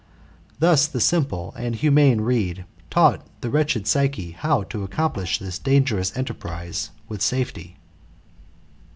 '' Thus the sim ple and humane reed taught the wretched PsycEe^ bow to accolnpltsfa this enterprise with safety.